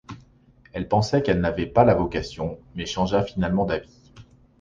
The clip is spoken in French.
Elle pensait qu'elle n'avait pas la vocation, mais changea finalement d'avis.